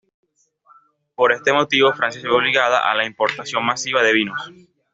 Por este motivo, Francia se vio obligada a la importación masiva de vinos.